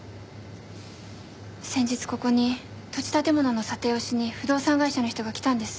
先日ここに土地建物の査定をしに不動産会社の人が来たんです。